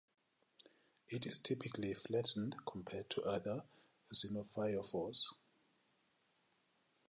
It is typically flattened compared to other xenophyophores.